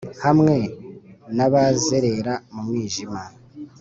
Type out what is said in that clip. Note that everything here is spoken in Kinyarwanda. hamwe n'abazerera mu mwijima,